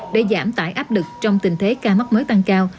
để giảm tải áp lực trong tình thế ca mắc mới tăng cao